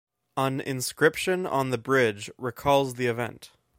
An inscription on the bridge recalls the event.